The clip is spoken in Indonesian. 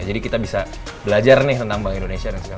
jadi kita bisa belajar nih tentang bank indonesia